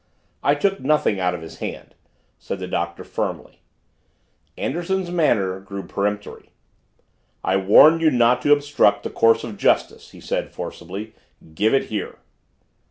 "I took nothing out of his hand," said the Doctor firmly. Anderson's manner grew peremptory. "I warn you not to obstruct the course of justice!" he said forcibly. "Give it here!"